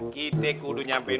kita harus sampaikan